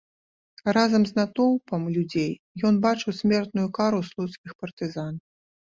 Разам з натоўпам людзей ён бачыў смертную кару слуцкіх партызан.